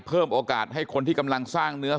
เพิ่มโอกาสให้คนที่กำลังสร้างเนื้อ